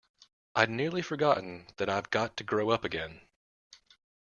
I’d nearly forgotten that I’ve got to grow up again!